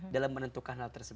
dalam menentukan hal tersebut